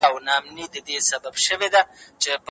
واکمن د مخکنیو شتمني نه ساتي.